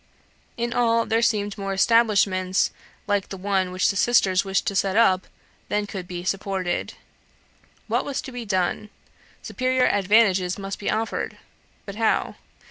In all there seemed more establishments like the one which the sisters wished to set up than could be supported. What was to be done? Superior advantages must be offered. But how?